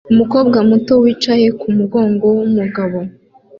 Umukobwa muto wicaye kumugongo wumugabo